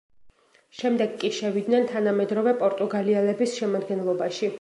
შემდეგ კი შევიდნენ თანამედროვე პორტუგალიელების შემადგენლობაში.